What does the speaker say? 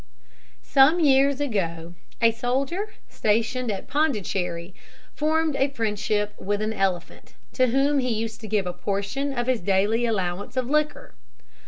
Some years ago a soldier, stationed at Pondicherry, formed a friendship with an elephant, to whom he used to give a portion of his daily allowance of liquor.